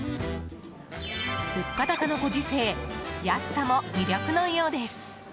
物価高のご時世安さも魅力のようです。